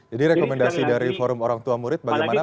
jadi rekomendasi dari forum orang tua murid bagaimana pak